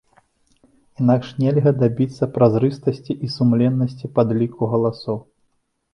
Інакш нельга дабіцца празрыстасці і сумленнасці падліку галасоў.